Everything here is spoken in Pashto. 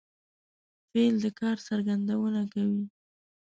فعل د کار څرګندونه کوي.